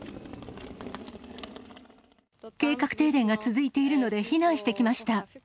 計画停電が続いているので、避難してきました。